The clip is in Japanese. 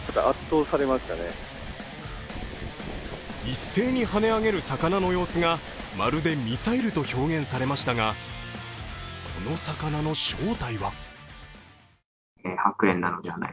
一斉に跳ね上げる魚の様子がまるでミサイルと表現されましたがこの魚の正体は？